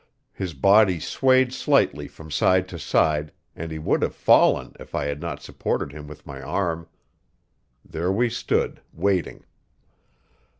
His body swayed slightly from side to side, and he would have fallen if I had not supported him with my arm. There we stood, waiting.